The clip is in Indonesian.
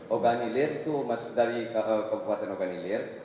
oganilir itu dari kabupaten oganilir